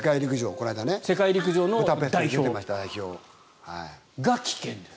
世界陸上の代表が棄権です。